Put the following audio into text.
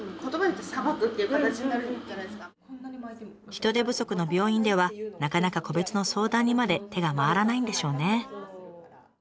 人手不足の病院ではなかなか個別の相談にまで手が回らないんでしょうね。